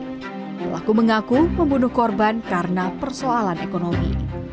pelaku mengaku membunuh korban karena persoalan ekonomi